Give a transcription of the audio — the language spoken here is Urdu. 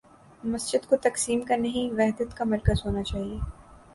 مسجد کو تقسیم کا نہیں، وحدت کا مرکز ہو نا چاہیے۔